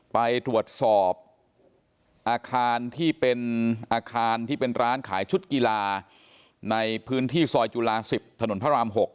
ไปตรวจสอบอาคารที่เป็นอาคารที่เป็นร้านขายชุดกีฬาในพื้นที่ซอยจุฬา๑๐ถนนพระราม๖